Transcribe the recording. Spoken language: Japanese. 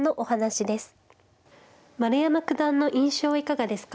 丸山九段の印象はいかがですか。